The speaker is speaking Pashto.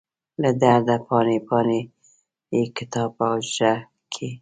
له درده پاڼې، پاڼې یې کتاب په حجره کې